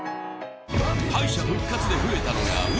敗者復活で増えたのがう